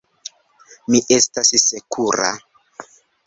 Mi estas sekura.